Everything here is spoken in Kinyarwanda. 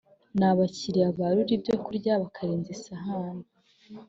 ni abakiriya barura ibyo kurya bakarenza isahane